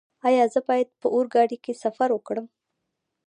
ایا زه باید په اورګاډي کې سفر وکړم؟